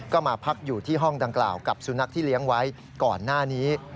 ก็มาพักอยู่ที่ห้องดังกล่าวกับสุนัขที่เลี้ยงไว้ก่อนหน้านี้